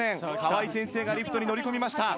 川井先生がリフトに乗り込みました。